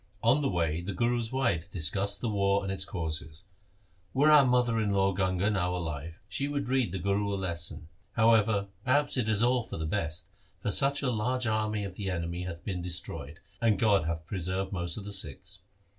On the way the Guru's wives discussed the war and its causes —' Were our mother in law Ganga now alive, she would read the Guru a lesson. However, perhaps it is all for the best, for such a large army of the enemy hath been destroyed, and God hath preserved most of the Sikhs.'